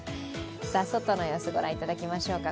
外の様子ご覧いただきましょうか。